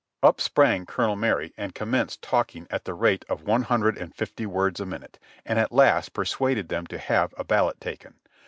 Up sprang Colonel Marye and commenced talking at the rate of one hundred and fifty words a minute, and at last persuaded them to have a ballot taken.